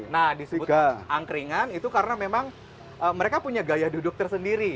nah disebut angkringan itu karena memang mereka punya gaya duduk tersendiri